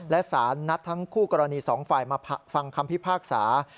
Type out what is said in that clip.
และสารนัดทั้งคู่กรณีสองฝ่ายมาฟังคำพิพากษา